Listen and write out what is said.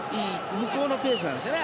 向こうのペースなんですね